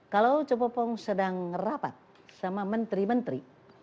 kalau cepopong sedang rapat sama menteri menteri